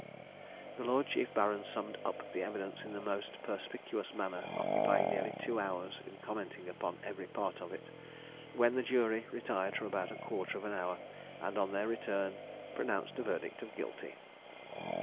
The Lord Chief Baron summed up the evidence in the most perspicuous manner, occupying nearly two hours in commenting upon every part of it; when the jury retired for about a quarter of an hour, and on their return pronounced a verdict of Guilty.